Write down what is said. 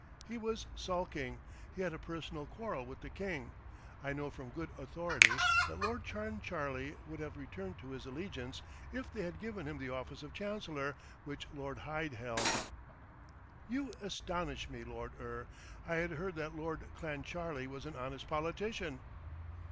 He was sulking. He had a personal quarrel with the king. I know from good authority that Lord Clancharlie would have returned to his allegiance, if they had given him the office of Chancellor, which Lord Hyde held." "You astonish me, Lord Eure. I had heard that Lord Clancharlie was an honest politician."